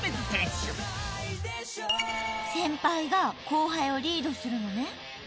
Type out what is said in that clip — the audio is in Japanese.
先輩が後輩をリードするのね。